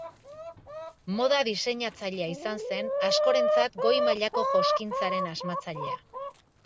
Moda diseinatzailea izan zen, askorentzat goi mailako joskintzaren asmatzailea.